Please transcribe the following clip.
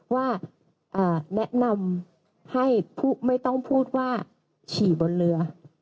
ว่าแนะนำให้ไม่ต้องพูดว่าฉี่บนเรือ